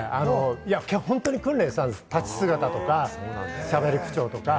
本当に訓練したんです、立ち姿とかしゃべり口調とか。